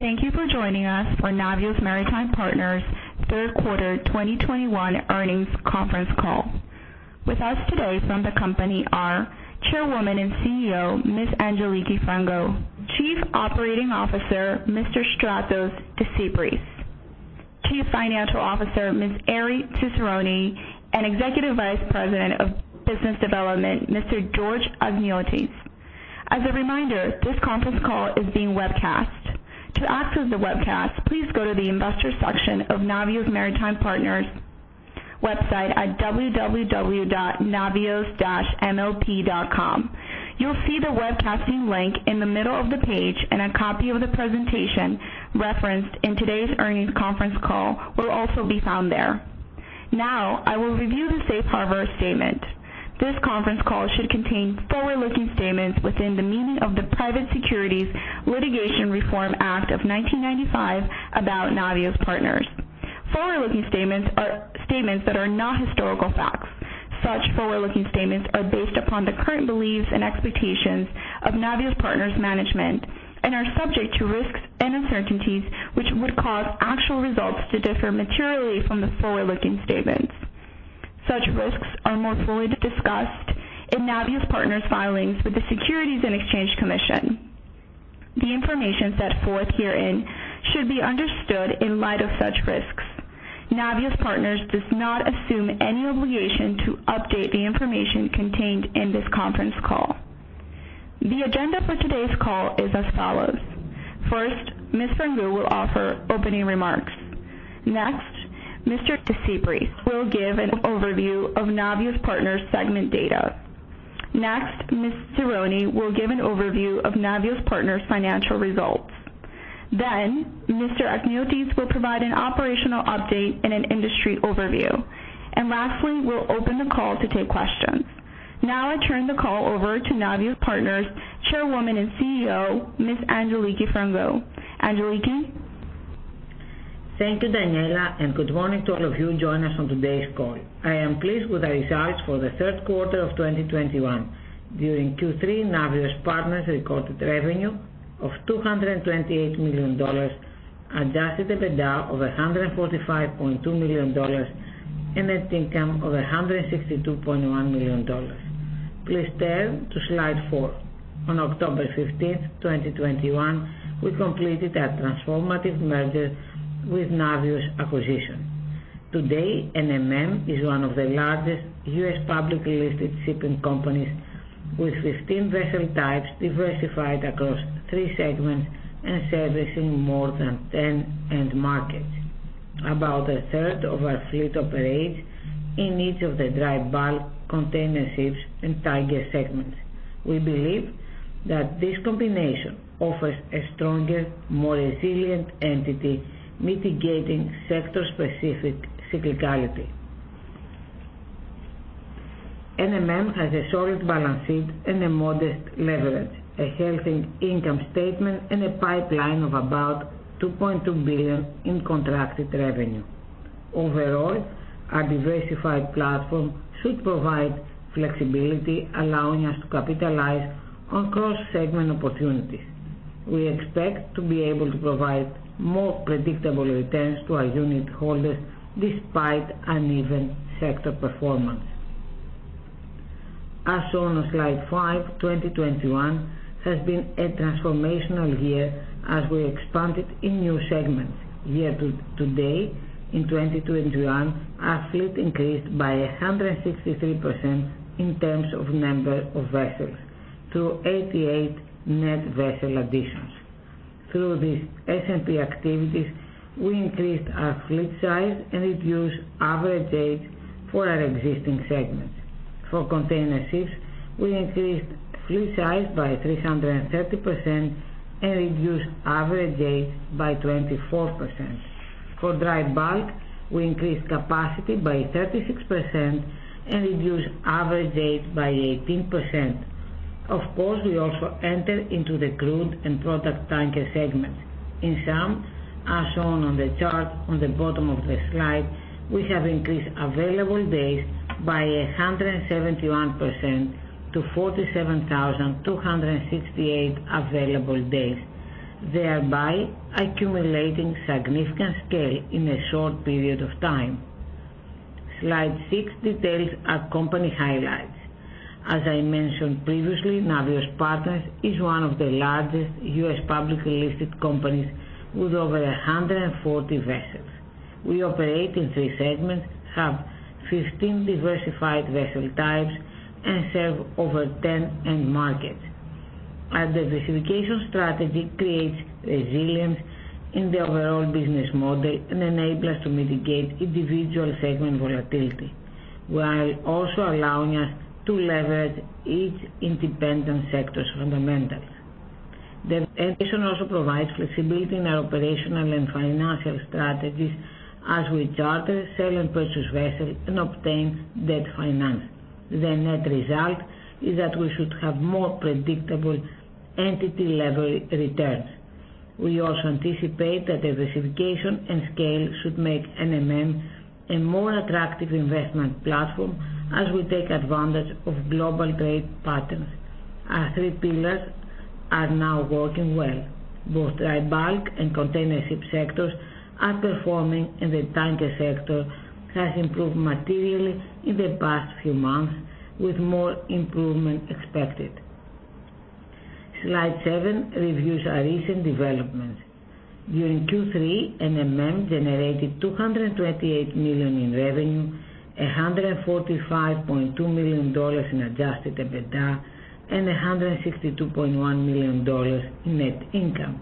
Thank you for joining us for Navios Maritime Partners Q3 2021 earnings conference call. With us today from the company are Chairwoman and CEO, Ms. Angeliki Frangou, Chief Operating Officer, Mr. Stratos Desypris, Chief Financial Officer, Ms. Erifyli Tsironi, and Executive Vice President of Business Development, Mr. George Achniotis. As a reminder, this conference call is being webcast. To access the webcast, please go to the investor section of Navios Maritime Partners website at navios-mlp.com. You'll see the webcasting link in the middle of the page, and a copy of the presentation referenced in today's earnings conference call will also be found there. Now I will review the safe harbor statement. This conference call should contain forward-looking statements within the meaning of the Private Securities Litigation Reform Act of 1995 about Navios Partners. Forward-looking statements are statements that are not historical facts. Such forward-looking statements are based upon the current beliefs and expectations of Navios Partners management and are subject to risks and uncertainties which would cause actual results to differ materially from the forward-looking statements. Such risks are more fully discussed in Navios Partners filings with the Securities and Exchange Commission. The information set forth herein should be understood in light of such risks. Navios Partners does not assume any obligation to update the information contained in this conference call. The agenda for today's call is as follows. First, Ms. Frangou will offer opening remarks. Next, Mr. Desypris will give an overview of Navios Partners segment data. Next, Ms. Tsironi will give an overview of Navios Partners financial results. Then Mr. Achniotis will provide an operational update and an industry overview. And lastly, we'll open the call to take questions. Now I turn the call over to Navios Partners Chairwoman and CEO, Ms. Angeliki Frangou. Angeliki. Thank you, Daniela, and good morning to all of you joining us on today's call. I am pleased with our results for the third quarter of 2021. During Q3, Navios Partners recorded revenue of $228 million, adjusted EBITDA of $145.2 million and net income of $162.1 million. Please turn to slide four. On October 15th, 2021, we completed our transformative merger with Navios Acquisition. Today, NMM is one of the largest U.S. publicly listed shipping companies with 15 vessel types diversified across three segments and servicing more than 10 end markets. About a third of our fleet operates in each of the dry bulk container ships and tanker segments. We believe that this combination offers a stronger, more resilient entity mitigating sector specific cyclicality. NMM has a solid balance sheet and a modest leverage, a healthy income statement, and a pipeline of about $2.2 billion in contracted revenue. Overall, our diversified platform should provide flexibility, allowing us to capitalize on cross-segment opportunities. We expect to be able to provide more predictable returns to our unit holders despite uneven sector performance. As shown on slide five, 2021 has been a transformational year as we expanded in new segments. Year to date in 2021, our fleet increased by 163% in terms of number of vessels through 88 net vessel additions. Through these S&P activities, we increased our fleet size and reduced average age for our existing segments. For container ships, we increased fleet size by 330% and reduced average age by 24%. For dry bulk, we increased capacity by 36% and reduced average age by 18%. Of course, we also enter into the crude and product tanker segment. In sum, as shown on the chart on the bottom of the slide, we have increased available days by 171% to 47,268 available days, thereby accumulating significant scale in a short period of time. Slide six details our company highlights. As I mentioned previously, Navios Partners is one of the largest U.S. publicly listed companies with over 140 vessels. We operate in three segments, have 15 diversified vessel types and serve over 10 end markets. Our diversification strategy creates resilience in the overall business model and enable us to mitigate individual segment volatility while also allowing us to leverage each independent sector's fundamentals. The addition also provides flexibility in our operational and financial strategies as we charter, sell, and purchase vessels and obtain debt financing. The net result is that we should have more predictable entity level returns. We also anticipate that diversification and scale should make NMM a more attractive investment platform as we take advantage of global trade patterns. Our three pillars are now working well. Both dry bulk and container ship sectors are performing, and the tanker sector has improved materially in the past few months, with more improvement expected. Slide seven reviews our recent developments. During Q3, NMM generated $228 million in revenue, $145.2 million in adjusted EBITDA, and $162.1 million in net income.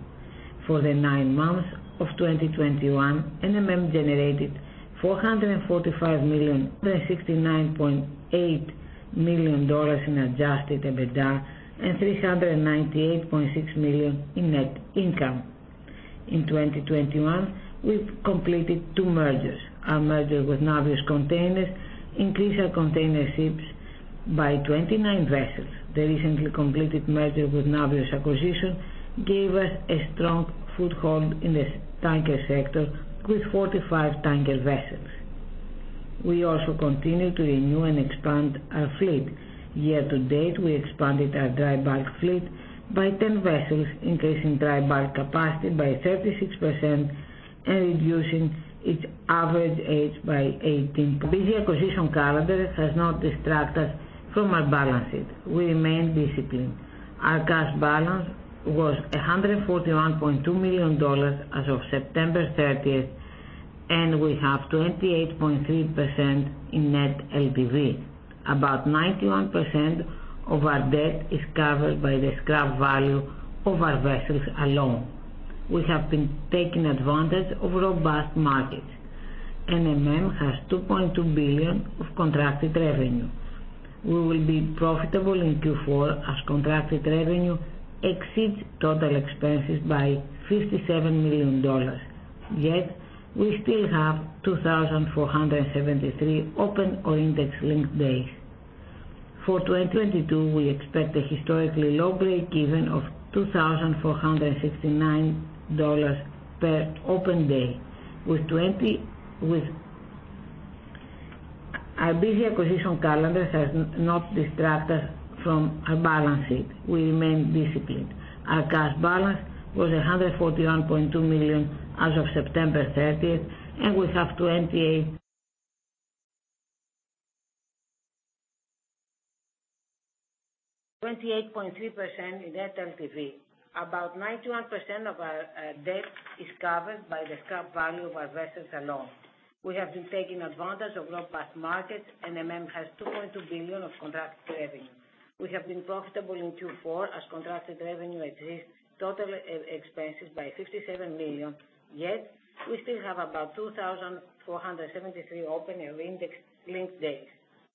For the nine months of 2021, NMM generated $469.8 million in adjusted EBITDA and $398.6 million in net income. In 2021, we have completed two mergers. Our merger with Navios Containers increased our container ships by 29 vessels. The recently completed merger with Navios Acquisition gave us a strong foothold in the tanker sector with 45 tanker vessels. We also continue to renew and expand our fleet. Year to date, we expanded our dry bulk fleet by 10 vessels, increasing dry bulk capacity by 36% and reducing its average age by 18. A busy acquisition calendar has not distracted from our balance sheet. We remain disciplined. Our cash balance was $141.2 million as of September 30, and we have 28.3% in net LTV. About 91% of our debt is covered by the scrap value of our vessels alone. We have been taking advantage of robust markets. NMM has $2.2 billion of contracted revenue. We will be profitable in Q4 as contracted revenue exceeds total expenses by $57 million. Yet, we still have 2,473 open or index-linked days. For 2022, we expect a historically low break-even of $2,469 per open day. Our busy acquisition calendar has not distracted from our balance sheet. We remain disciplined. Our cash balance was $141.2 million as of September 30th, and we have 28.3% in net LTV. About 91% of our debt is covered by the scrap value of our vessels alone. We have been taking advantage of robust markets. NMM has $2.2 billion of contracted revenue. We have been profitable in Q4 as contracted revenue exceeds total expenses by $57 million. Yet, we still have about 2,473 open and index-linked days.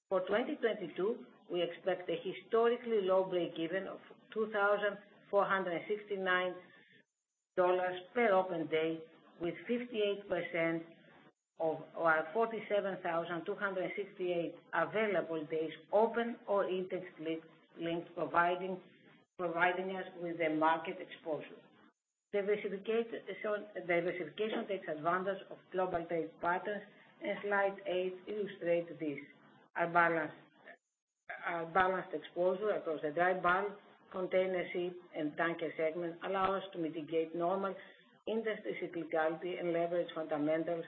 For 2022, we expect a historically low break-even of $2,469 per open day, with 58% of our 47,268 available days open or index-linked, providing us with the market exposure. Diversification takes advantage of global trade patterns, and slide eight illustrates this. Our balanced exposure across the dry bulk container ship and tanker segment allow us to mitigate normal industry cyclicality and leverage fundamentals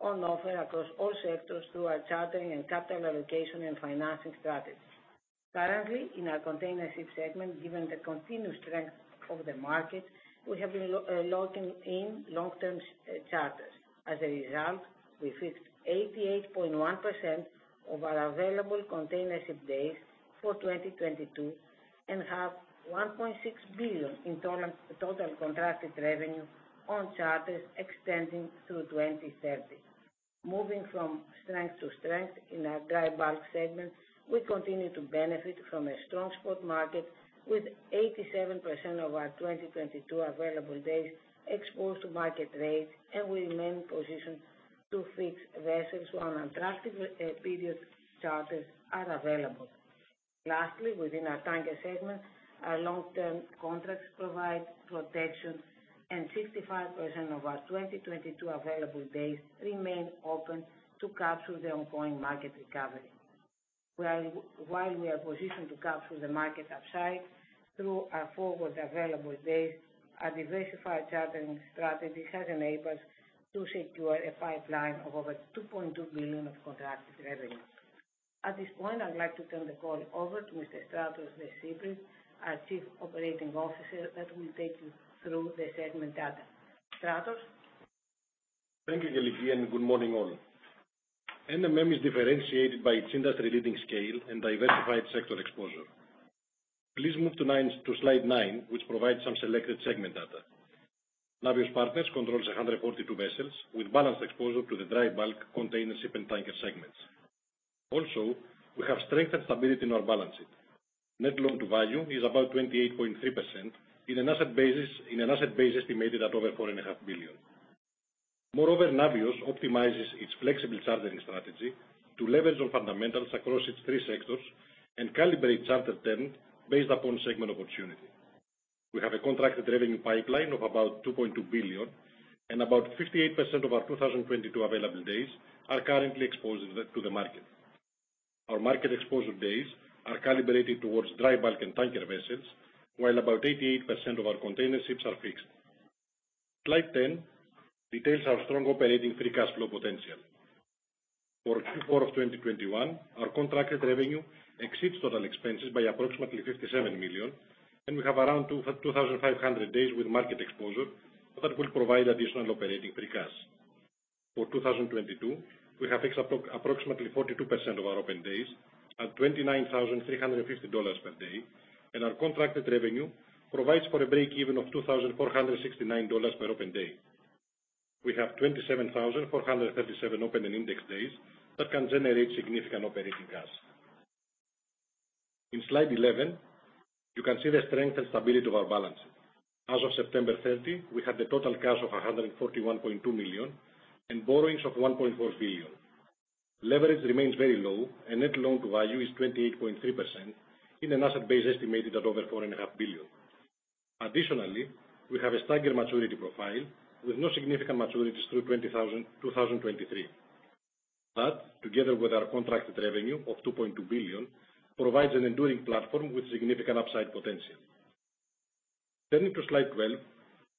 on offer across all sectors through our chartering and capital allocation and financing strategies. Currently, in our container ship segment, given the continued strength of the market, we have been locking in long-term charters. As a result, we fixed 88.1% of our available container ship days for 2022 and have $1.6 billion in total contracted revenue on charters extending through 2030. Moving from strength to strength in our dry bulk segment, we continue to benefit from a strong spot market with 87% of our 2022 available days exposed to market rates, and we remain positioned to fix vessels when attractive period charters are available. Lastly, within our tanker segment, our long-term contracts provide protection, and 65% of our 2022 available days remain open to capture the ongoing market recovery. While we are positioned to capture the market upside through our forward available days, our diversified chartering strategy has enabled us to secure a pipeline of over $2.2 billion of contracted revenue. At this point, I'd like to turn the call over to Mr. Stratos Desypris, our Chief Operating Officer, that will take you through the segment data. Stratos? Thank you, Angeliki, and good morning, all. NMM is differentiated by its industry-leading scale and diversified sector exposure. Please move to slide nine, which provides some selected segment data. Navios Partners controls 142 vessels with balanced exposure to the dry bulk, container ship, and tanker segments. We have strength and stability in our balance sheet. Net loan to value is about 28.3% in an asset base estimated at over $4.5 billion. Moreover, Navios optimizes its flexible chartering strategy to leverage on fundamentals across its three sectors and calibrate charter terms based upon segment opportunity. We have a contracted revenue pipeline of about $2.2 billion and about 58% of our 2022 available days are currently exposed to the market. Our market exposure days are calibrated towards dry bulk and tanker vessels, while about 88% of our container ships are fixed. Slide 10 details our strong operating free cash flow potential. For Q4 of 2021, our contracted revenue exceeds total expenses by approximately $57 million, and we have around 2,500 days with market exposure that will provide additional operating free cash. For 2022, we have fixed approximately 42% of our open days at $29,350 per day, and our contracted revenue provides for a break-even of $2,469 per open day. We have 27,437 open and index days that can generate significant operating cash. In slide 11, you can see the strength and stability of our balance sheet. As of September 30, we had total cash of $141.2 million and borrowings of $1.4 billion. Leverage remains very low and net loan to value is 28.3% in an asset base estimated at over $4.5 billion. We have a staggered maturity profile with no significant maturities through 2023. That, together with our contracted revenue of $2.2 billion, provides an enduring platform with significant upside potential. Turning to slide 12,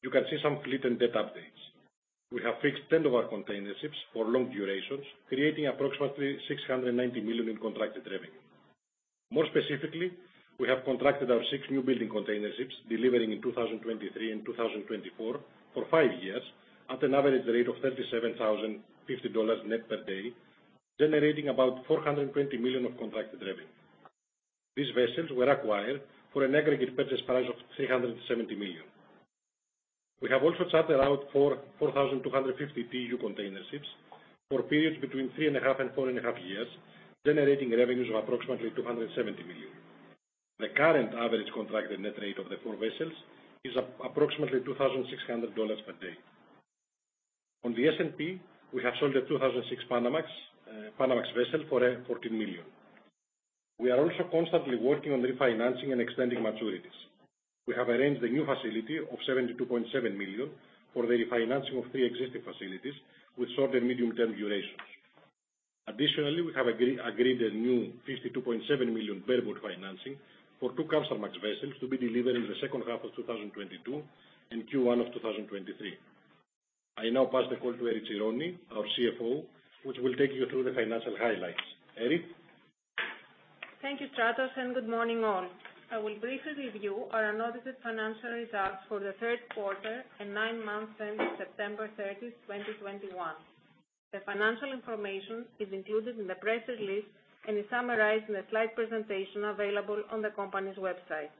you can see some fleet and debt updates. We have fixed 10 of our containerships for long durations, creating approximately $690 million in contracted revenue. More specifically, we have contracted our six new building containerships delivering in 2023 and 2024 for five years at an average rate of $37,050 net per day, generating about $420 million of contracted revenue. These vessels were acquired for an aggregate purchase price of $370 million. We have also chartered out four 4,250 TEU containerships for periods between 3.5 years and 4.5 years, generating revenues of approximately $270 million. The current average contracted net rate of the four vessels is approximately $2,600 per day. On the S&P, we have sold a 2006 Panamax vessel for $14 million. We are also constantly working on refinancing and extending maturities. We have arranged a new facility of $72.7 million for the refinancing of three existing facilities with short and medium-term durations. Additionally, we have agreed a new $52.7 million bareboat financing for two Kamsarmax vessels to be delivered in the second half of 2022 and Q1 of 2023. I now pass the call to Erifyli Tsironi, our CFO, which will take you through the financial highlights. Erif? Thank you, Stratos, and good morning, all. I will briefly review our unaudited financial results for the third quarter and nine months ending September 30, 2021. The financial information is included in the press release and is summarized in a slide presentation available on the company's website.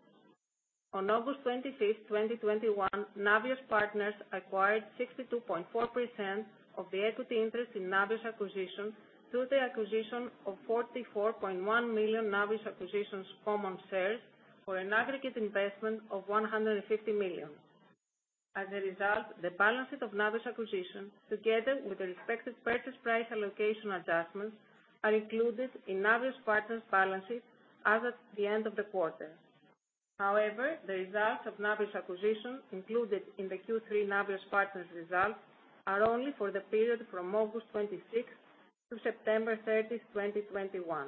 On August 25, 2021, Navios Partners acquired 62.4% of the equity interest in Navios Acquisition through the acquisition of 44.1 million Navios Acquisition's common shares for an aggregate investment of $150 million. As a result, the balance sheet of Navios Acquisition, together with the respective purchase price allocation adjustments, are included in Navios Partners' balance sheet as at the end of the quarter. However, the results of Navios Acquisition included in the Q3 Navios Partners results are only for the period from August 26 to September 30, 2021.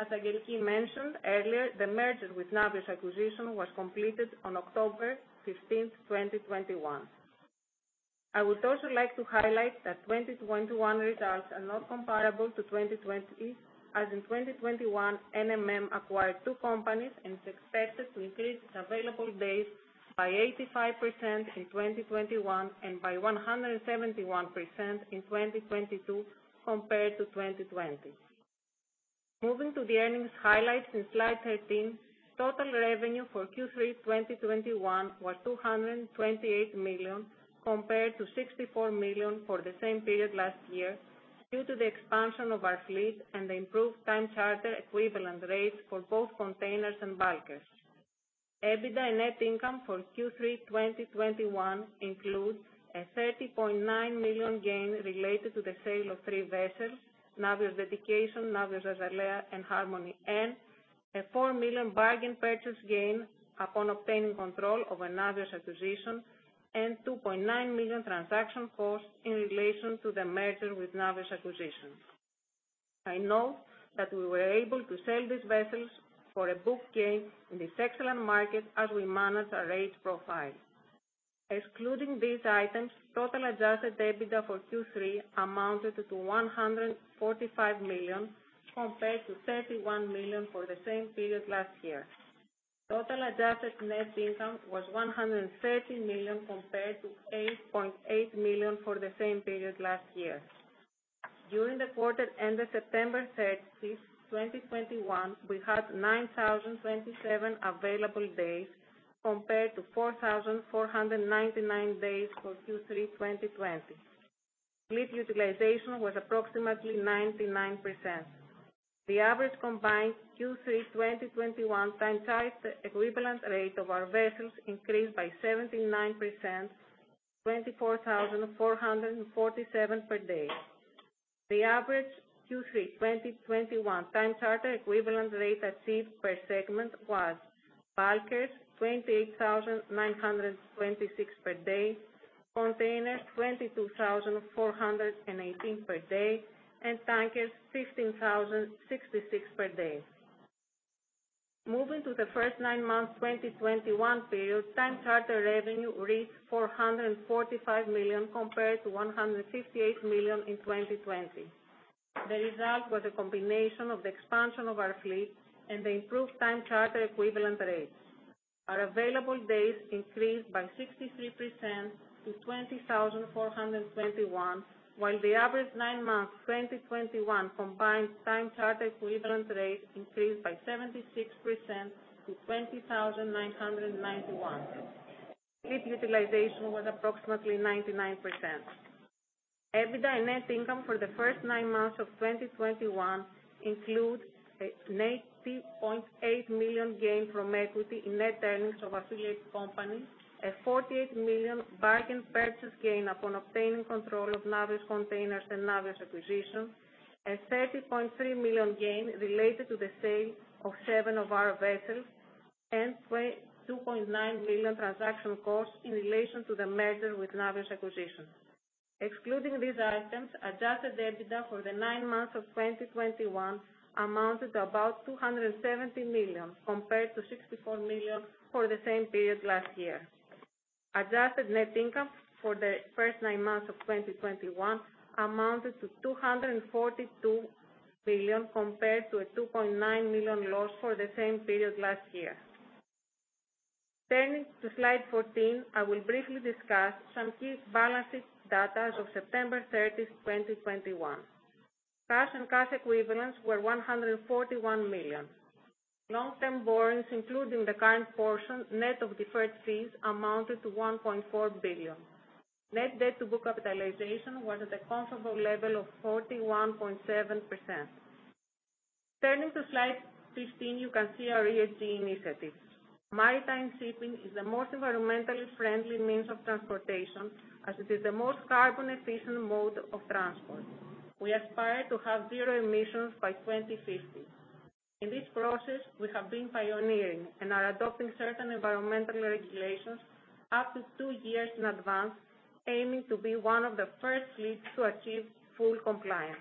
As Angeliki mentioned earlier, the merger with Navios Acquisition was completed on October 15, 2021. I would also like to highlight that 2021 results are not comparable to 2020 as in 2021, NMM acquired two companies and is expected to increase its available days by 85% in 2021 and by 171% in 2022 compared to 2020. Moving to the earnings highlights in slide 13, total revenue for Q3 2021 was $228 million, compared to $64 million for the same period last year, due to the expansion of our fleet and the improved time charter equivalent rates for both containers and bulkers. EBITDA and net income for Q3 2021 include a $30.9 million gain related to the sale of three vessels, Navios Dedication, Navios Azalea, and Harmony N, a $4 million bargain purchase gain upon obtaining control of Navios Acquisition, and $2.9 million transaction costs in relation to the merger with Navios Acquisition. I note that we were able to sell these vessels for a book gain in this excellent market as we manage our rate profile. Excluding these items, total adjusted EBITDA for Q3 amounted to $145 million, compared to $31 million for the same period last year. Total adjusted net income was $130 million compared to $8.8 million for the same period last year. During the quarter ended September 30, 2021, we had 9,027 available days compared to 4,499 days for Q3 2020. Fleet utilization was approximately 99%. The average combined Q3 2021 time charter equivalent rate of our vessels increased by 79%, $24,447 per day. The average Q3 2021 time charter equivalent rate achieved per segment was bulkers $28,926 per day, container $22,418 per day, and tankers $15,066 per day. Moving to the first nine months, 2021 period, time charter revenue reached $445 million compared to $158 million in 2020. The result was a combination of the expansion of our fleet and the improved time charter equivalent rates. Our available days increased by 63% to 20,421, while the average nine months 2021 combined time charter equivalent rate increased by 76% to 20,991. Fleet utilization was approximately 99%. EBITDA net income for the first nine months of 2021 includes an $80.8 million gain from equity in net earnings of affiliate company, a $48 million bargain purchase gain upon obtaining control of Navios Containers and Navios Acquisition, a $30.3 million gain related to the sale of seven of our vessels and $22.9 million transaction costs in relation to the merger with Navios Acquisition. Excluding these items, adjusted EBITDA for the nine months of 2021 amounted to about $270 million compared to $64 million for the same period last year. Adjusted net income for the first nine months of 2021 amounted to $242 million compared to a $2.9 million loss for the same period last year. Turning to slide 14, I will briefly discuss some key balance sheet data of September 30, 2021. Cash and cash equivalents were $141 million. Long-term borrowings, including the current portion, net of deferred fees, amounted to $1.4 billion. Net debt to book capitalization was at a comfortable level of 41.7%. Turning to slide 15, you can see our ESG initiatives. Maritime shipping is the most environmentally friendly means of transportation as it is the most carbon efficient mode of transport. We aspire to have zero emissions by 2050. In this process, we have been pioneering and are adopting certain environmental regulations up to two years in advance, aiming to be one of the first fleets to achieve full compliance.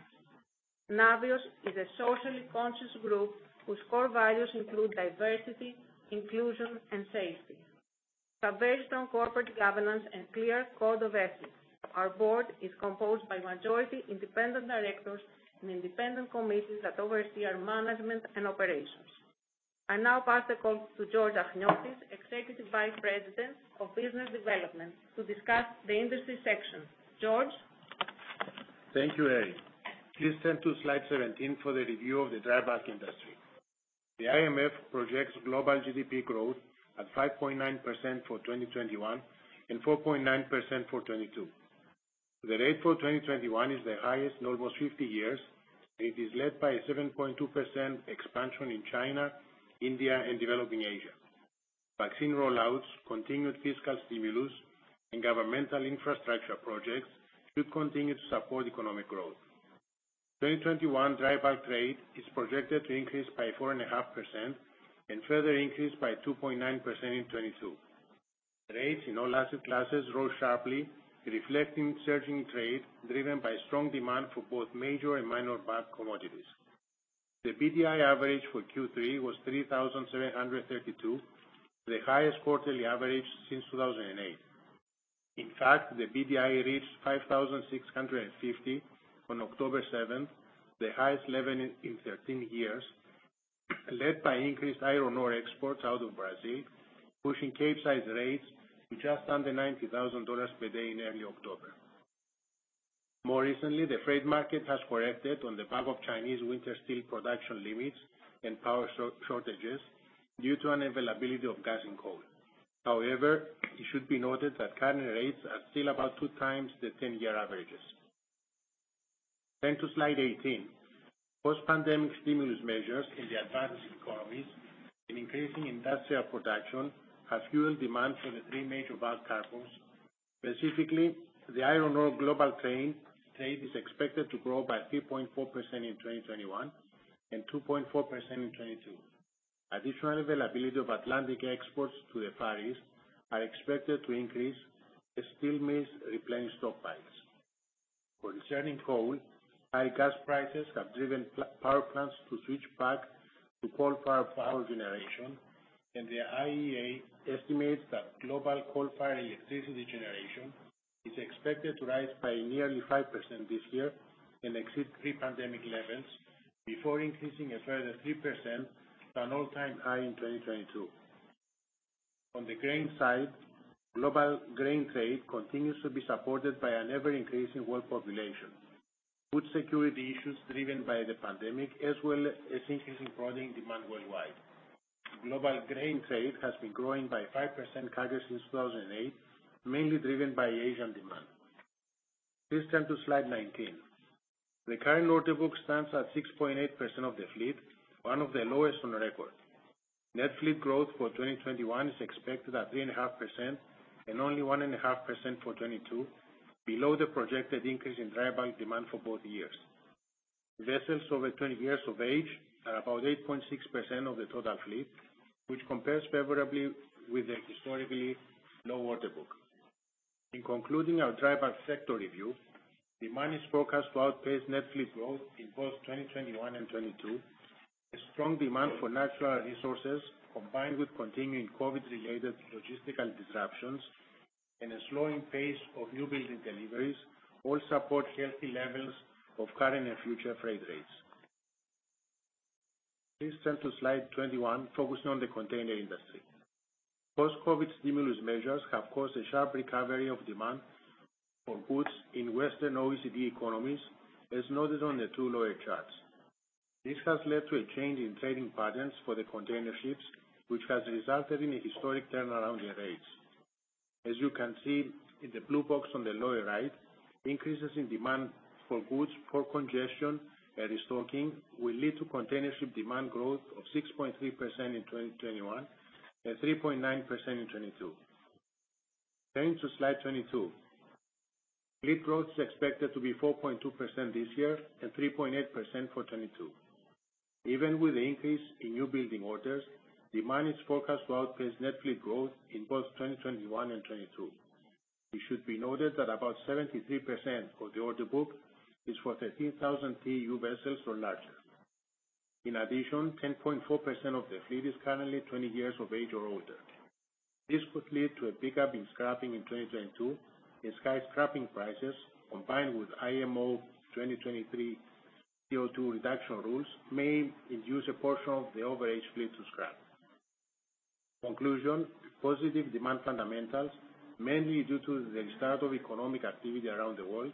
Navios is a socially conscious group whose core values include diversity, inclusion and safety. We have very strong corporate governance and clear code of ethics. Our board is composed by majority independent directors and independent committees that oversee our management and operations. I now pass the call to George Achniotis, Executive Vice President of Business Development, to discuss the industry section. George. Thank you, Erif. Please turn to slide 17 for the review of the dry bulk industry. The IMF projects global GDP growth at 5.9% for 2021 and 4.9% for 2022. The rate for 2021 is the highest in almost 50 years. It is led by a 7.2% expansion in China, India and developing Asia. Vaccine rollouts, continued fiscal stimulus and governmental infrastructure projects should continue to support economic growth. 2021 dry bulk trade is projected to increase by 4.5% and further increase by 2.9% in 2022. Rates in all asset classes rose sharply, reflecting surging trade driven by strong demand for both major and minor bulk commodities. The BDI average for Q3 was 3,732, the highest quarterly average since 2008. In fact, the BDI reached 5,650 on October 7th, the highest level in 13 years, led by increased iron ore exports out of Brazil, pushing Capesize rates to just under $90,000 per day in early October. More recently, the freight market has corrected on the back of Chinese winter steel production limits and power shortages due to unavailability of gas and coal. However, it should be noted that current rates are still about 2x the 10-year averages. To slide 18. Post-pandemic stimulus measures in the advanced economies and increasing industrial production have fueled demand for the three major bulk cargos. Specifically, the iron ore global trade is expected to grow by 3.4% in 2021 and 2.4% in 2022. Additional availability of Atlantic exports to the Far East are expected to increase as steel mills replenish stockpiles. Concerning coal, high gas prices have driven power plants to switch back to coal power generation, and the IEA estimates that global coal-fired electricity generation is expected to rise by nearly 5% this year and exceed pre-pandemic levels before increasing a further 3% to an all-time high in 2022. On the grain side, global grain trade continues to be supported by an ever-increasing world population, food security issues driven by the pandemic, as well as increasing protein demand worldwide. Global grain trade has been growing by 5% CAGR since 2008, mainly driven by Asian demand. Please turn to slide 19. The current order book stands at 6.8% of the fleet, one of the lowest on record. Net fleet growth for 2021 is expected at 3.5% and only 1.5% for 2022 below the projected increase in dry bulk demand for both years. Vessels over 20 years of age are about 8.6% of the total fleet, which compares favorably with the historically low order book. In concluding our dry bulk sector review, demand is forecast to outpace net fleet growth in both 2021 and 2022. A strong demand for natural resources, combined with continuing COVID related logistical disruptions and a slowing pace of new building deliveries all support healthy levels of current and future freight rates. Please turn to slide 21, focusing on the container industry. Post-COVID stimulus measures have caused a sharp recovery of demand for goods in Western OECD economies, as noted on the two lower charts. This has led to a change in trading patterns for the container ships, which has resulted in a historic turnaround in rates. As you can see in the blue box on the lower right, increases in demand for goods, port congestion, and restocking will lead to container ship demand growth of 6.3% in 2021 and 3.9% in 2022. Turning to slide 22. Fleet growth is expected to be 4.2% this year and 3.8% for 2022. Even with the increase in new building orders, demand is forecast to outpace net fleet growth in both 2021 and 2022. It should be noted that about 73% of the order book is for 13,000 TEU vessels or larger. In addition, 10.4% of the fleet is currently 20 years of age or older. This could lead to a pickup in scrapping in 2022, as high scrapping prices, combined with IMO 2023 CO2 reduction rules may induce a portion of the overage fleet to scrap. Conclusion. Positive demand fundamentals, mainly due to the start of economic activity around the world,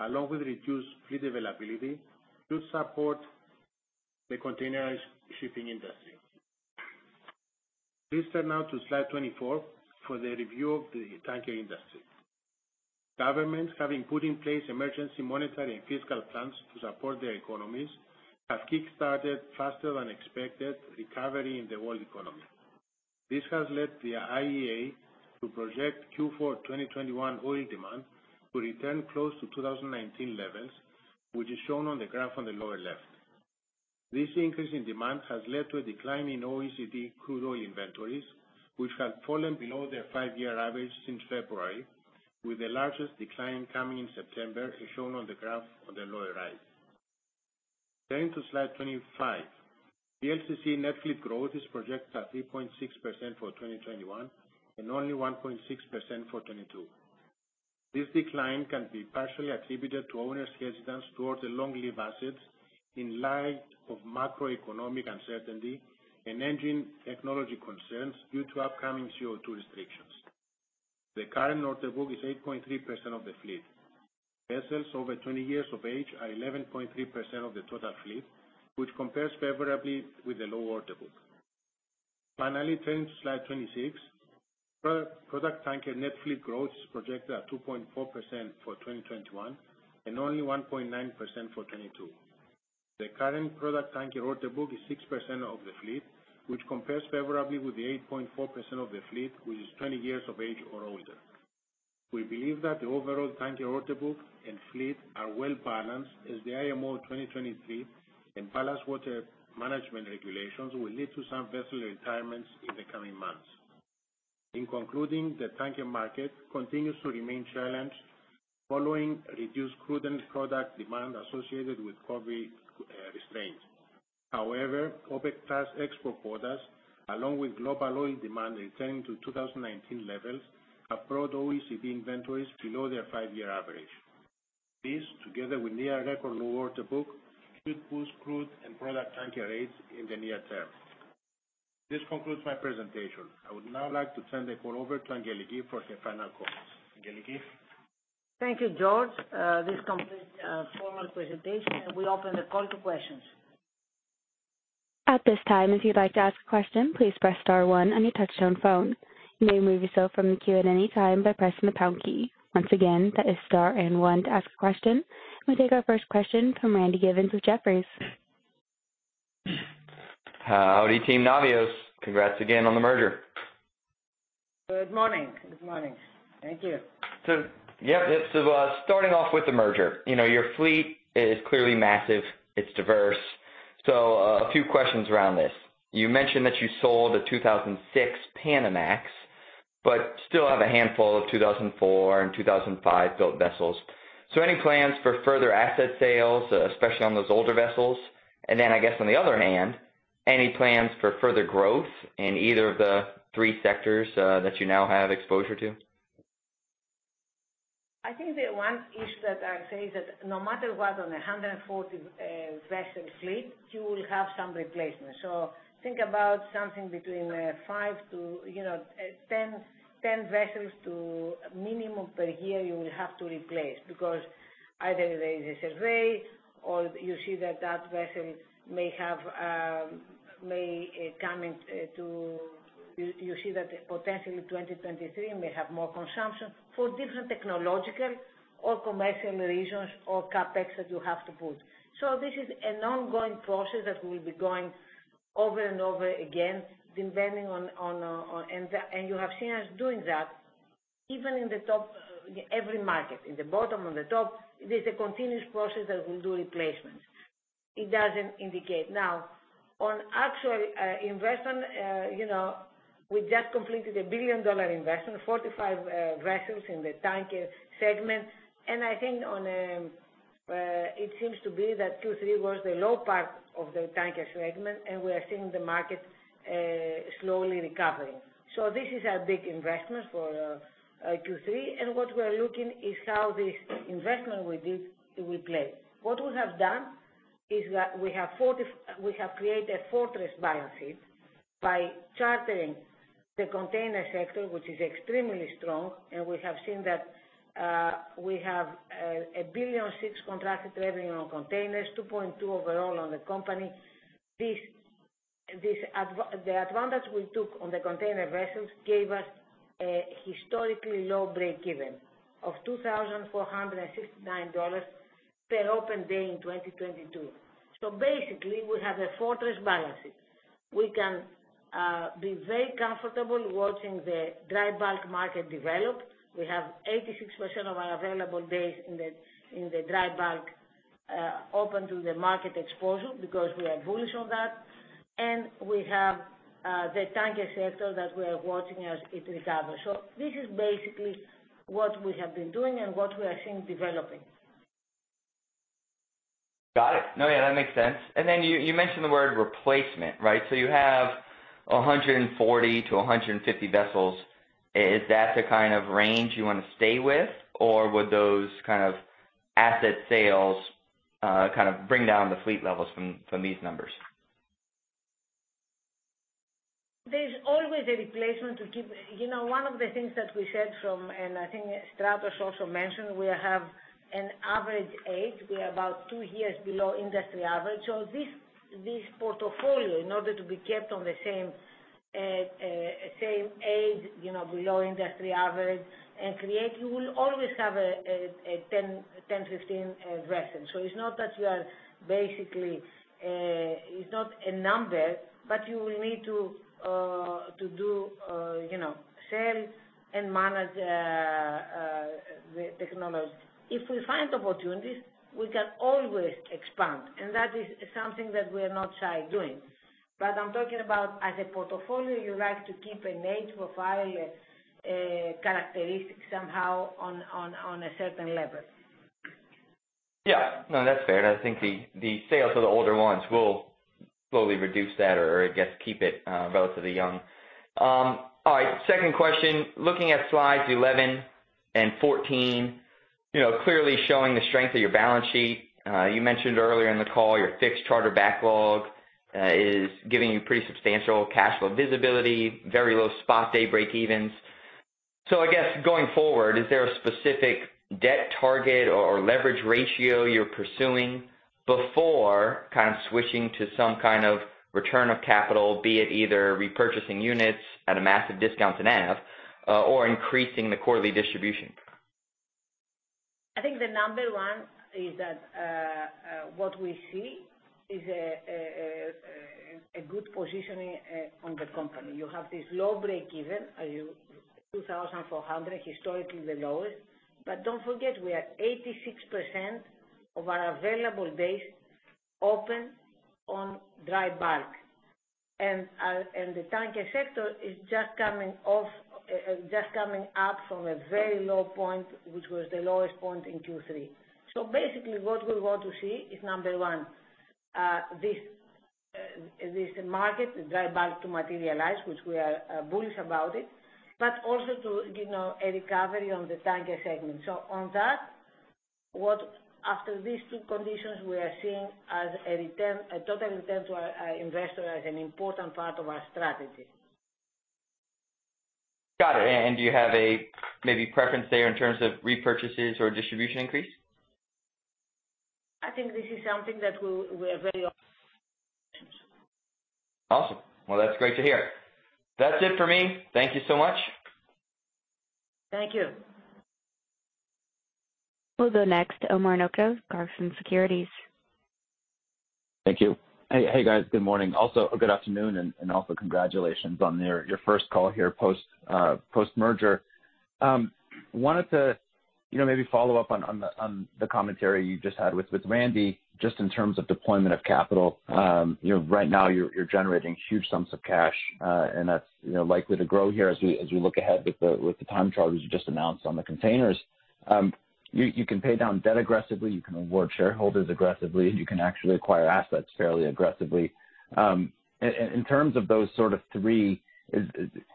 along with reduced fleet availability, to support the containerized shipping industry. Please turn now to slide 24 for the review of the tanker industry. Governments having put in place emergency monetary and fiscal plans to support their economies have kickstarted faster than expected recovery in the world economy. This has led the IEA to project Q4 2021 oil demand to return close to 2019 levels, which is shown on the graph on the lower left. This increase in demand has led to a decline in OECD crude oil inventories, which have fallen below their 5-year average since February, with the largest decline coming in September, as shown on the graph on the lower right. Turning to slide 25. VLCC net fleet growth is projected at 3.6% for 2021 and only 1.6% for 2022. This decline can be partially attributed to owners' hesitance towards the long-lived assets in light of macroeconomic uncertainty and engine technology concerns due to upcoming CO2 restrictions. The current order book is 8.3% of the fleet. Vessels over 20 years of age are 11.3% of the total fleet, which compares favorably with the low order book. Finally, turning to slide 26. Product tanker net fleet growth is projected at 2.4% for 2021 and only 1.9% for 2022. The current product tanker order book is 6% of the fleet, which compares favorably with the 8.4% of the fleet, which is 20 years of age or older. We believe that the overall tanker order book and fleet are well balanced, as the IMO 2023 and ballast water management regulations will lead to some vessel retirements in the coming months. In concluding, the tanker market continues to remain challenged following reduced crude and product demand associated with COVID restraints. However, OPEC plus export quotas, along with global oil demand returning to 2019 levels have brought OECD inventories below their five-year average. This, together with near record low order book, should boost crude and product tanker rates in the near term. This concludes my presentation. I would now like to turn the call over to Angeliki for her final comments. Angeliki? Thank you, George. This completes formal presentation. We open the call to questions. We'll take our first question from Randy Giveans with Jefferies. Howdy, team Navios. Congrats again on the merger. Good morning. Thank you. Starting off with the merger, you know, your fleet is clearly massive. It's diverse. A few questions around this. You mentioned that you sold a 2006 Panamax, but still have a handful of 2004 and 2005-built vessels. Any plans for further asset sales, especially on those older vessels? And then, I guess on the other hand, any plans for further growth in either of the three sectors that you now have exposure to? I think the one issue that I would say is that no matter what, on a 140-vessel fleet, you will have some replacement. Think about something between 5 vessels-10 vessels at minimum per year you will have to replace because either there is a survey or you see that that vessel may have come into view, you see that potentially 2023 may have more consumption for different technological or commercial reasons or CapEx that you have to put. This is an ongoing process that we'll be going over and over again depending on and you have seen us doing that even in the top every market. In the bottom, on the top, it is a continuous process that we'll do replacements. It doesn't indicate. Now, on actual investment, you know, we just completed a $1 billion investment, 45 vessels in the tanker segment. I think it seems to be that Q3 was the low part of the tanker segment, and we are seeing the market slowly recovering. This is a big investment for Q3, and what we're looking is how this investment we did will play. What we have done is that we have created fortress balances by chartering the container sector, which is extremely strong, and we have seen that we have a $1.6 billion contracted revenue on containers, $2.2 billion overall on the company. The advantage we took on the container vessels gave us a historically low breakeven of $2,469 per open day in 2022. Basically, we have a fortress balance sheet. We can be very comfortable watching the dry bulk market develop. We have 86% of our available days in the dry bulk open to the market exposure because we are bullish on that, and we have the tanker sector that we are watching as it recovers. This is basically what we have been doing and what we are seeing developing. Got it. No, yeah, that makes sense. You mentioned the word replacement, right? You have 140 vessels-150 vessels. Is that the kind of range you wanna stay with? Would those kind of asset sales kind of bring down the fleet levels from these numbers? There's always a replacement to keep. You know, one of the things that we said from, and I think Stratos also mentioned, we have an average age. We are about two years below industry average. This portfolio, in order to be kept on the same age, you know, below industry average and create, you will always have a 10 vessels-15 vessels. It's not that you are basically, it's not a number, but you will need to do, you know, sell and manage the tonnage. If we find opportunities, we can always expand, and that is something that we are not shy doing. I'm talking about as a portfolio, you like to keep an age profile characteristic somehow on a certain level. Yeah. No, that's fair. I think the sales of the older ones will slowly reduce that or, I guess, keep it relatively young. All right, second question, looking at slides 11 and 14, you know, clearly showing the strength of your balance sheet. You mentioned earlier in the call your fixed charter backlog is giving you pretty substantial cash flow visibility, very low spot day breakevens. I guess going forward, is there a specific debt target or leverage ratio you're pursuing before kind of switching to some kind of return of capital, be it either repurchasing units at a massive discount to NAV or increasing the quarterly distribution? I think the number one is that what we see is a good positioning on the company. You have this low breakeven $2,400, historically the lowest. Don't forget we are 86% of our available days open on dry bulk. The tanker sector is just coming up from a very low point, which was the lowest point in Q3. Basically what we want to see is number one this dry bulk market to materialize which we are bullish about but also to you know a recovery on the tanker segment. On that after these two conditions we are seeing a return a total return to our investor as an important part of our strategy. Got it. Do you have a maybe preference there in terms of repurchases or distribution increase? I think this is something that we're very open to. Awesome. Well, that's great to hear. That's it for me. Thank you so much. Thank you. We'll go next to Omar Nokta, Clarksons Securities. Thank you. Hey, guys, good morning, also good afternoon and also congratulations on your first call here post-merger. Wanted to, you know, maybe follow up on the commentary you just had with Randy just in terms of deployment of capital. You know, right now you're generating huge sums of cash, and that's likely to grow here as we look ahead with the time charters you just announced on the containers. You can pay down debt aggressively, you can award shareholders aggressively, you can actually acquire assets fairly aggressively. In terms of those sort of three,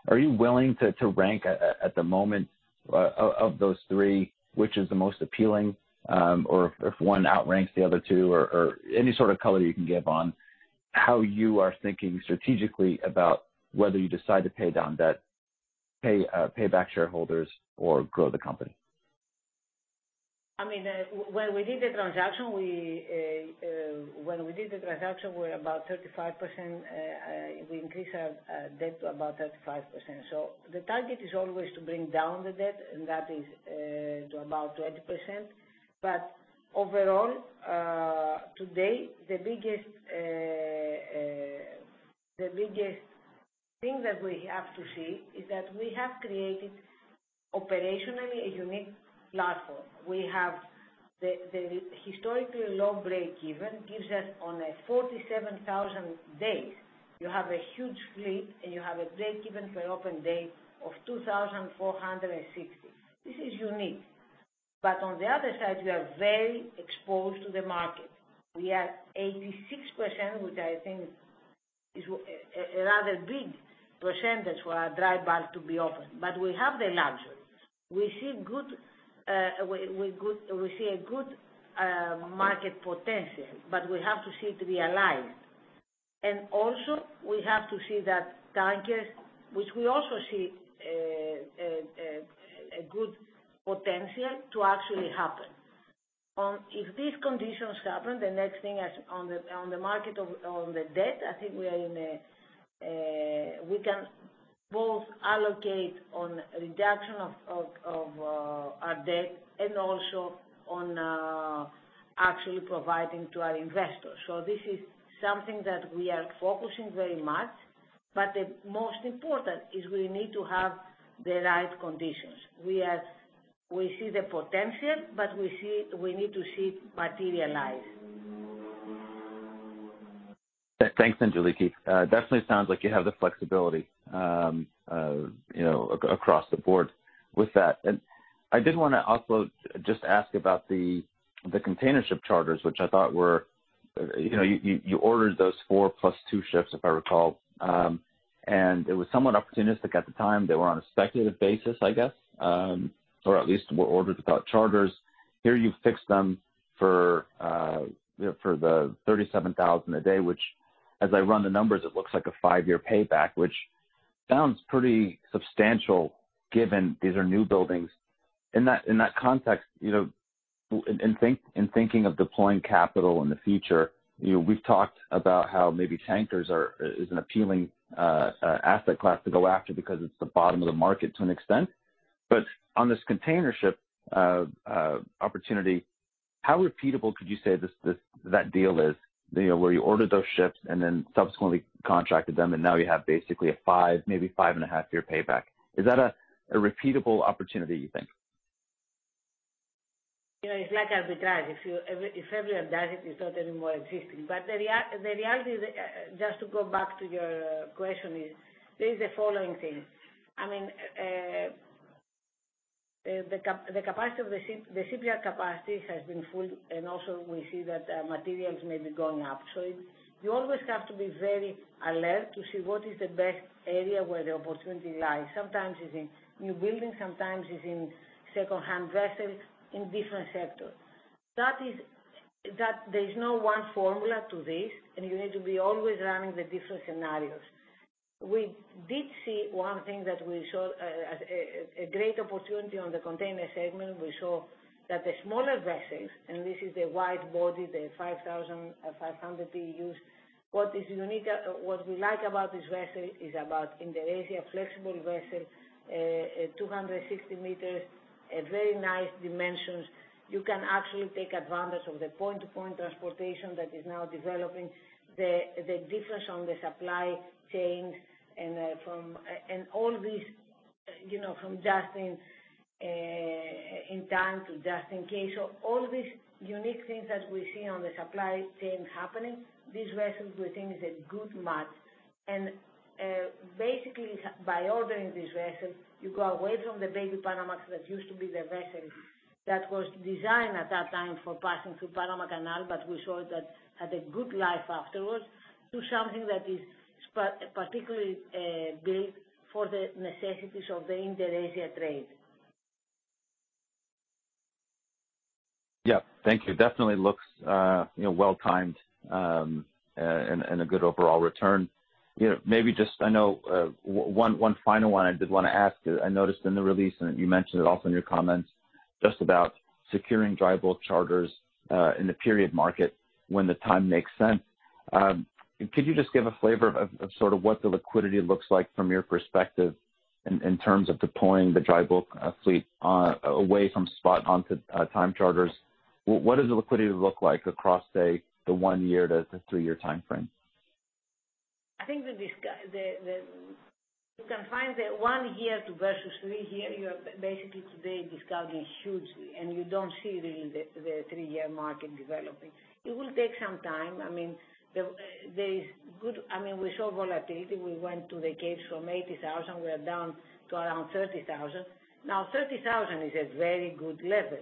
are you willing to rank at the moment of those three, which is the most appealing? If one outranks the other two or any sort of color you can give on how you are thinking strategically about whether you decide to pay down debt, pay back shareholders or grow the company? I mean, when we did the transaction, we were about 35%. We increased our debt to about 35%. The target is always to bring down the debt, and that is to about 20%. Overall, today, the biggest thing that we have to see is that we have created operationally a unique platform. We have the historically low breakeven gives us on a 47,000 days, you have a huge fleet, and you have a breakeven for open day of 2,460. This is unique. On the other side, we are very exposed to the market. We are 86%, which I think is a rather big percentage for our dry bulk to be open. We have the luxury. We see a good market potential, but we have to see it to be aligned. We also have to see that tankers, which we also see a good potential to actually happen. If these conditions happen, the next thing is on the debt. I think we can both allocate on reduction of our debt and also on actually providing to our investors. This is something that we are focusing very much, but the most important is we need to have the right conditions. We see the potential, but we need to see it materialize. Yeah. Thanks, Angeliki. It definitely sounds like you have the flexibility, you know, across the board with that. I did wanna also just ask about the containership charters, which I thought were, you know, you ordered those 4+ two ships, if I recall. It was somewhat opportunistic at the time. They were on a speculative basis, I guess, or at least were ordered without charters. Here you fixed them for $37,000 a day, which as I run the numbers, it looks like a five-year payback, which sounds pretty substantial given these are new buildings. In that context, you know, in thinking of deploying capital in the future, you know, we've talked about how maybe tankers is an appealing asset class to go after because it's the bottom of the market to an extent. But on this containership opportunity, how repeatable could you say this, that deal is? You know, where you ordered those ships and then subsequently contracted them, and now you have basically a five year, maybe 5.5 Year payback. Is that a repeatable opportunity, you think? You know, it's like arbitrage. If everyone does it's not anymore existing. But the reality is, just to go back to your question, there is the following thing. I mean, the capacity of the shipyard has been full, and also we see that materials may be going up. You always have to be very alert to see what is the best area where the opportunity lies. Sometimes it's in new buildings, sometimes it's in secondhand vessels in different sectors. That is, there is no one formula to this, and you need to be always running the different scenarios. We did see one thing that we saw as a great opportunity on the container segment. We saw that the smaller vessels, and this is the wide body, the 5,500 TEUs. What is unique, what we like about this vessel is that it's an Asian flexible vessel, 260 m, a very nice dimensions. You can actually take advantage of the point-to-point transportation that is now developing, the difference on the supply chain and from and all these, you know, from just in time to just in case. All these unique things that we see on the supply chain happening, these vessels we think is a good match. By ordering these vessels, you go away from the baby Panamax that used to be the vessel that was designed at that time for passing through Panama Canal, but we saw that had a good life afterwards, to something that is particularly built for the necessities of the inter-Asia trade. Yeah. Thank you. Definitely looks, you know, well timed, and a good overall return. You know, maybe just I know, one final one I did wanna ask. I noticed in the release, and you mentioned it also in your comments, just about securing dry bulk charters in the period market when the time makes sense. Could you just give a flavor of sort of what the liquidity looks like from your perspective in terms of deploying the dry bulk fleet away from spot onto time charters? What does the liquidity look like across, say, the one year to the three-year timeframe? I think the... You can find the one-year to versus three-year, you are basically today discounting hugely, and you don't see really the three-year market developing. It will take some time. I mean, we saw volatility. We went to the capes from 80,000, we are down to around 30,000. Now, 30,000 is a very good level.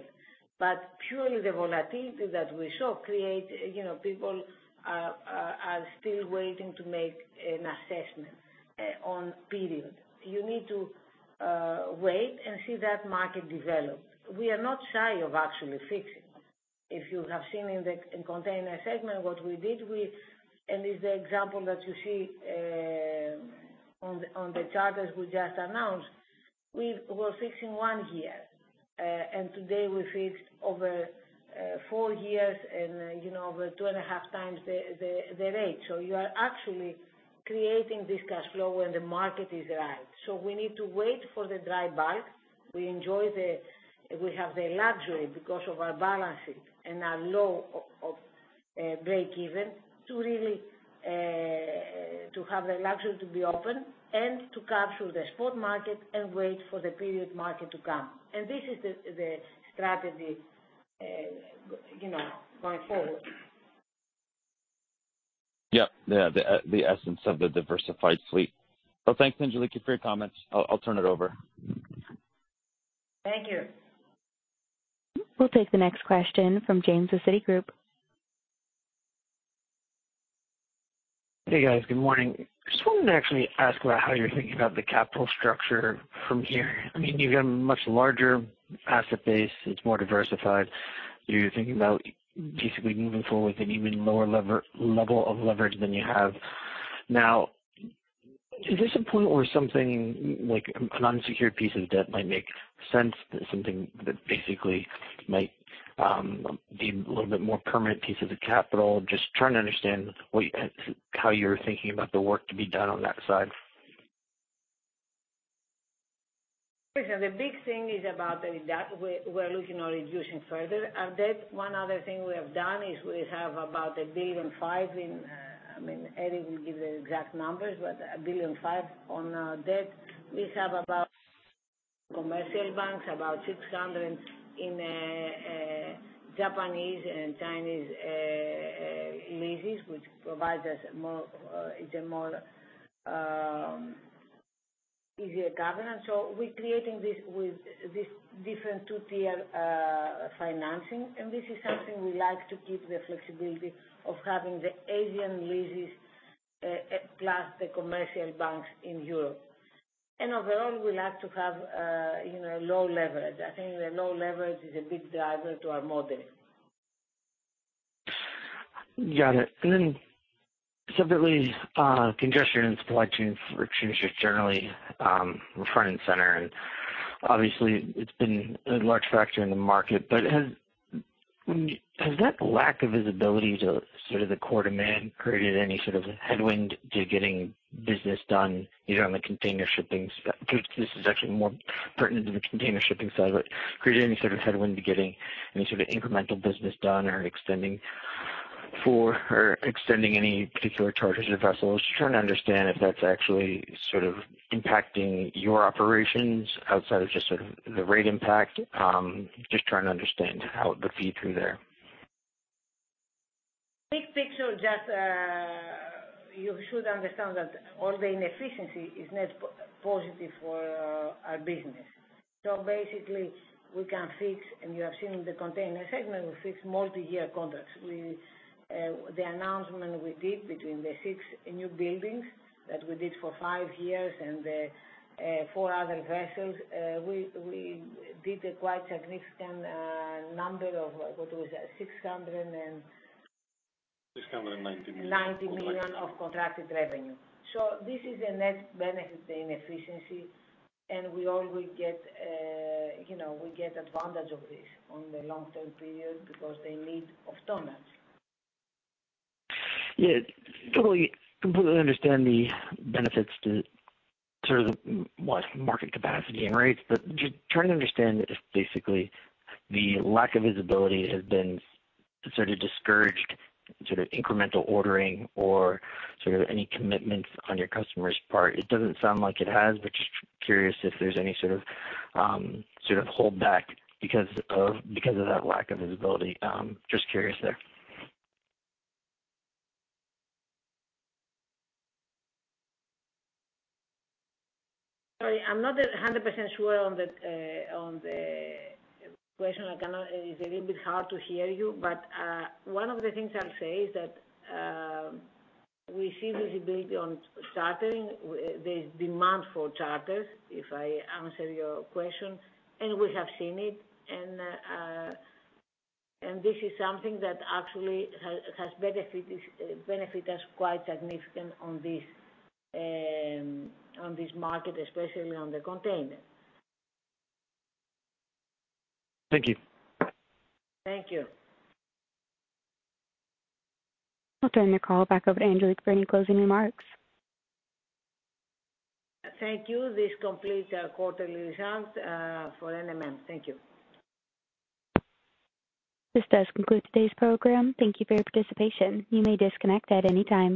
But purely the volatility that we saw created, you know, people are still waiting to make an assessment on period. You need to wait and see that market develop. We are not shy of actually fixing. If you have seen in the container segment, what we did is the example that you see. On the charters we just announced, we were fixing one year. Today we fixed over four years and, you know, over 2.5x the rate. You are actually creating this cash flow when the market is right. We need to wait for the dry bulk. We have the luxury because of our balancing and our low of breakeven to really have the luxury to be open and to capture the spot market and wait for the period market to come. This is the strategy, you know, going forward. Yeah. The essence of the diversified fleet. Well, thanks, Angeliki, for your comments. I'll turn it over. Thank you. We'll take the next question from James Tong of Citigroup. Hey, guys. Good morning. Just wanted to actually ask about how you're thinking about the capital structure from here. I mean, you've got a much larger asset base. It's more diversified. You're thinking about basically moving forward with an even lower level of leverage than you have. Now, is there some point where something like an unsecured piece of debt might make sense, something that basically might be a little bit more permanent piece of the capital? Just trying to understand how you're thinking about the work to be done on that side. The big thing is about the debt we're looking to reduce further. Our debt, one other thing we have done is we have about $1.5 billion in. I mean, Eri will give the exact numbers, but $1.5 billion on debt. We have about $600 million with commercial banks, about $600 million in Japanese and Chinese leases, which provide us a more easier governance. We're creating this with a different two-tier financing. This is something we like to keep the flexibility of having the Asian leases plus the commercial banks in Europe. Overall, we like to have low leverage. I think the low leverage is a big driver to our model. Got it. Then separately, congestion and supply chain restrictions generally, front and center, and obviously it's been a large factor in the market. Has that lack of visibility to sort of the core demand created any sort of headwind to getting business done either on the container shipping side. This is actually more pertinent to the container shipping side, but created any sort of headwind to getting any sort of incremental business done or extending any particular charters or vessels. Just trying to understand if that's actually sort of impacting your operations outside of just sort of the rate impact. Just trying to understand how the feed through there. Big picture, you should understand that all the inefficiency is net positive for our business. Basically we can fix, and you have seen in the container segment, we fix multi-year contracts. The announcement we did between the six new buildings that we did for five years and the four other vessels, we did a quite significant number of what was it? 600 and- $690 million. $690 million of contracted revenue. This is a net benefit, the inefficiency. We always get, you know, we get advantage of this on the long-term period because they need of tonnages. Yeah, totally, completely understand the benefits to sort of the market capacity and rates, but just trying to understand if basically the lack of visibility has been sort of discouraged sort of incremental ordering or sort of any commitments on your customer's part. It doesn't sound like it has, but just curious if there's any sort of hold back because of that lack of visibility. Just curious there. Sorry, I'm not 100% sure on the question. It's a little bit hard to hear you, but one of the things I'll say is that we see visibility on chartering, the demand for charters, if I answer your question, and we have seen it. This is something that actually has benefited us quite significantly on this market, especially on the container. Thank you. Thank you. I'll turn the call back over to Angeliki for any closing remarks. Thank you. This completes our quarterly results for NMM. Thank you. This does conclude today's program. Thank you for your participation. You may disconnect at any time.